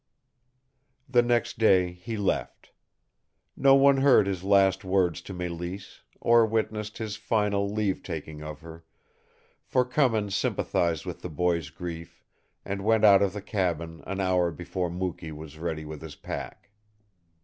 The next day he left. No one heard his last words to Mélisse, or witnessed his final leave taking of her, for Cummins sympathized with the boy's grief and went out of the cabin an hour before Mukee was ready with his pack.